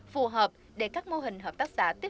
phù hợp để các mô hình hợp tác xã